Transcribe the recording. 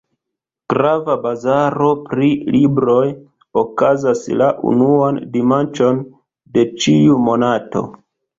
Grava bazaro pri libroj okazas la unuan dimanĉon de ĉiu monato.